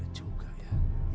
bener juga ya